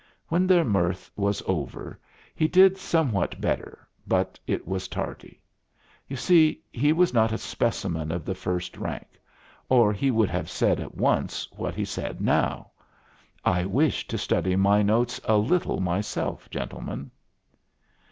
When their mirth Was over he did somewhat better, but it was tardy. You see, he was not a specimen of the first rank, or he would have said at once what he said now: "I wish to study my notes a little myself, gentlemen."